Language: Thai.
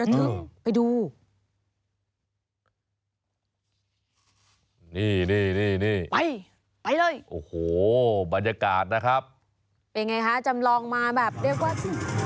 วันนี้ให้เกียรติมาเยี่ยมถึงที่เลยหรือครับ